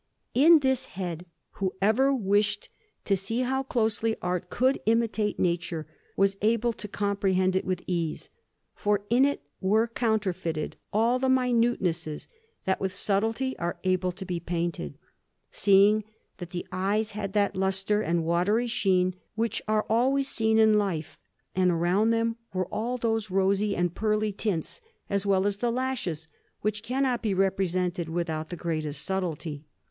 In this head, whoever wished to see how closely art could imitate nature, was able to comprehend it with ease; for in it were counterfeited all the minutenesses that with subtlety are able to be painted, seeing that the eyes had that lustre and watery sheen which are always seen in life, and around them were all those rosy and pearly tints, as well as the lashes, which cannot be represented without the greatest subtlety.